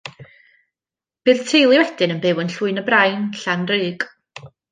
Bu'r teulu wedyn yn byw yn Llwyn-y-Brain, Llanrug.